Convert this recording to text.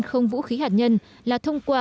không vũ khí hạt nhân là thông qua